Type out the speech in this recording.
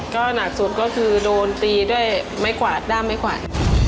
ก็หนักสุดก็คือโดนตีด้วยไม้กวาดด้ามไม้กวาด